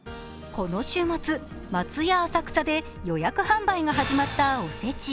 この週末、松屋浅草で予約販売が始まったおせち。